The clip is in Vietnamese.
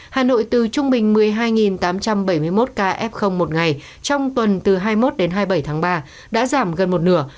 hà nội từ trung bình một mươi hai tám trăm bảy mươi một ca f một ngày trong tuần từ hai mươi một đến hai mươi bảy tháng ba đã giảm gần một nửa